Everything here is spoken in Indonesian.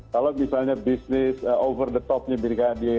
kalau misalnya bisnis over the topnya berikah di